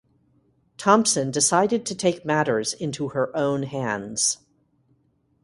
Thompson decided to take matters into her own hands.